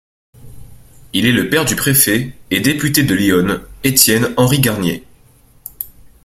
Il est le père du préfet et député de l'Yonne, Étienne Henri Garnier.